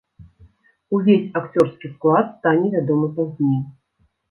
Увесь акцёрскі склад стане вядомы пазней.